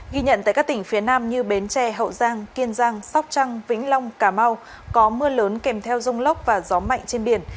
ghi nhận tại các tỉnh phía nam như bến tre hậu giang kiên giang sóc trăng vĩnh long cà mau có mưa lớn kèm theo rông lốc và gió mạnh trên biển